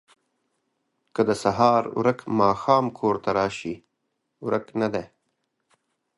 ـ که د سهار ورک ماښام کور ته راشي ورک نه دی